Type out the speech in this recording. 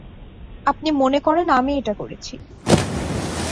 আপনি মনে করেন আমি এটা করেছি।